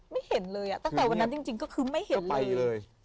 ไม่เห็นเลยตั้งแต่วันนั้นจริงก็คือไม่เห็นไปเลย